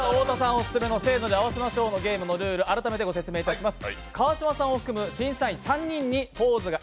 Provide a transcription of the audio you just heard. オススメの「せーの！で合わせましょう」ルール、改めて説明いたします。